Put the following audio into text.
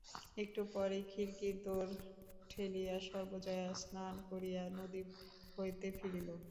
একটু পরেই খিড়কি দোর ঠেলিয়া সর্বজয়া স্নান করিয়া নদী হইতে ফিরিল।